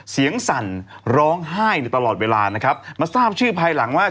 สั่นร้องไห้ในตลอดเวลานะครับมาทราบชื่อภายหลังว่า